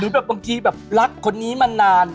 แบบบางทีแบบรักคนนี้มานาน